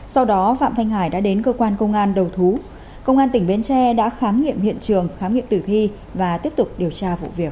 sau đó phạm thanh hải đã đến cơ quan công an đầu thú công an tỉnh bến tre đã khám nghiệm hiện trường khám nghiệm tử thi và tiếp tục điều tra vụ việc